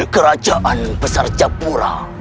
kerajaan besar jabura